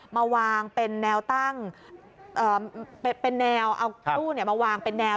มาวางเป็นแนวตั้งเอาตู้มาวางเป็นแนว